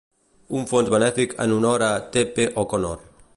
Un fons benèfic en honor a T. P. O'Connor.